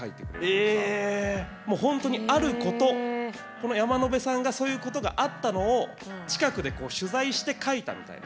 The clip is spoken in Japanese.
もうほんとにあることこの山野辺さんがそういうことがあったのを近くで取材して書いたみたいな。